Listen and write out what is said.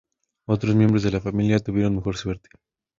Otros miembros de la familia tuvieron mejor suerte.